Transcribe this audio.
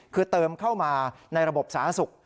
คือเติมเข้ามาในระบบสาธารณสุข